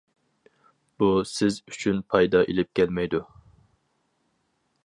بۇ سىز ئۈچۈن پايدا ئېلىپ كەلمەيدۇ.